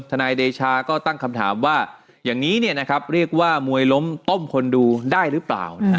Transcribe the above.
ทนายเดชาก็ตั้งคำถามว่าอย่างนี้เนี่ยนะครับเรียกว่ามวยล้มต้มคนดูได้หรือเปล่านะครับ